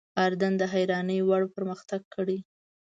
اردن د حیرانۍ وړ پرمختګ کړی.